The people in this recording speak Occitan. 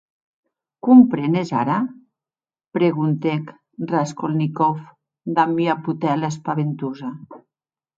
Comprenes ara?, preguntèc Raskolnikov damb ua potèla espaventosa.